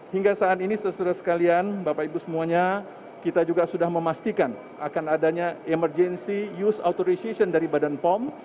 hingga saat ini sesudah sekalian bapak ibu semuanya kita juga sudah memastikan akan adanya emergency use authorization dari badan pom